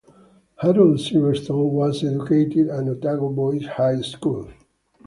Harold Silverstone was educated at Otago Boys High School.